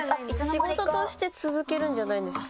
仕事として続けるんじゃないんですか？